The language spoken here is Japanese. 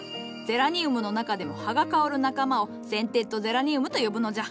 ゼラニウムの中でも葉が香る仲間を「センテッドゼラニウム」と呼ぶのじゃ。